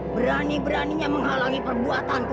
berani beraninya menghalangi perbuatanku